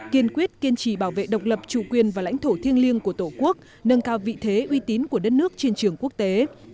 kiên quyết kiên trì bảo vệ độc lập chủ quyền và lãnh thổ thiêng liêng của tổ quốc nâng cao vị thế uy tín của đất nước trên trường quốc tế